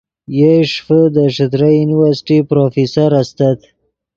یئے ݰیفے دے ݯتریئی یونیورسٹی پروفیسر استت